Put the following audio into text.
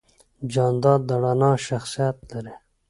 جانداد د رڼا شخصیت لري.